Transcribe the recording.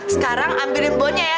sekarang ambilin bonnya ya